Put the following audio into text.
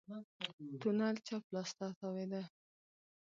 تونل چپ لاس ته تاوېده.